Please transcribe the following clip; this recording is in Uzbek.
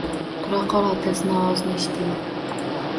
Turaqol otasining ovozi eshtildi